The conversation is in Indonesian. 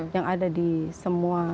yang ada di semua